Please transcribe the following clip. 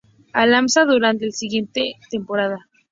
Almansa, durante la siguiente temporada.